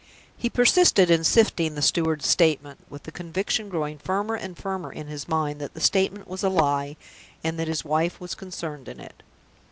He persisted in sifting the steward's statement, with the conviction growing firmer and firmer in his mind that the statement was a lie, and that his wife was concerned in it.